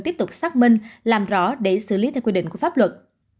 tiếp tục xác minh làm rõ để xử lý theo quy định của pháp luật